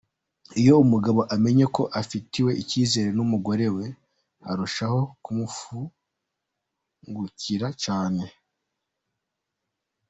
Iyo umugabo amenye ko afitiwe icyizere n'umugore we, arushaho kumufungukira cyane.